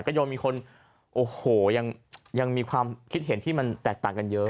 โยมมีคนโอ้โหยังมีความคิดเห็นที่มันแตกต่างกันเยอะ